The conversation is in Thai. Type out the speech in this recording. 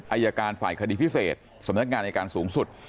อายการฝ่ายคดีพิเศษสำนักงานอายการสูงสุด